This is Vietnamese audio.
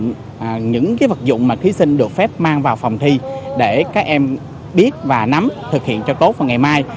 những vật dụng mà thí sinh được phép mang vào phòng thi để các em biết và nắm thực hiện cho tốt vào ngày mai